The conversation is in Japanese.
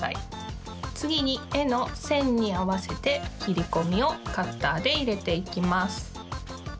つぎにえのせんにあわせてきりこみをカッターでいれていきます。